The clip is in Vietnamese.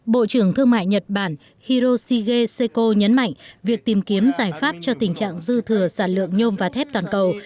bộ trưởng thương mại nhật bản hiroshige seiko nhấn mạnh việc tìm kiếm giải pháp cho tình trạng dư thừa sản lượng nhôm và thép toàn cầu